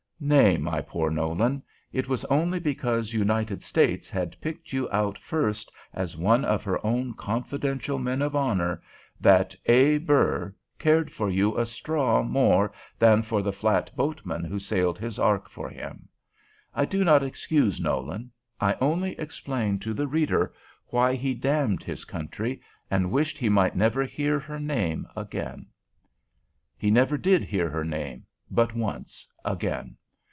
Nay, my poor Nolan, it was only because "United States" had picked you out first as one of her own confidential men of honor that "A. Burr" cared for you a straw more than for the flat boat men who sailed his ark for him. I do not excuse Nolan; I only explain to the reader why he damned his country, and wished he might never hear her name again. He never did hear her name but once again.